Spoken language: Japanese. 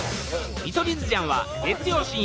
『見取り図じゃん』は月曜深夜！